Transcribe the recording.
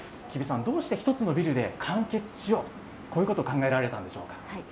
吉備さん、どうして１つのビルで完結しようと、こういうことを考えられたんでしょうか。